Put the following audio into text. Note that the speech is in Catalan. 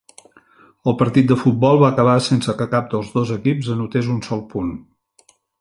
El partit de futbol va acabar sense que cap dels dos equips anotés un sol punt.